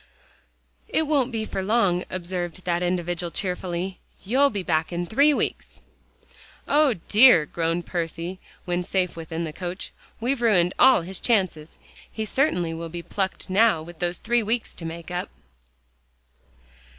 "It won't be for long," observed that individual cheerfully, "you'll be back in three weeks." "O dear!" groaned Percy when safe within the coach, "we've ruined all his chances. He certainly will be plucked now with those three weeks to make up."